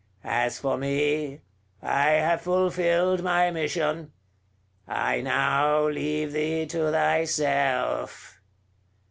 As for me, I have fulfilled my mission; I now leave thee to thyself."